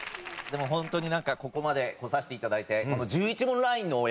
でもホントになんかここまで来させて頂いて。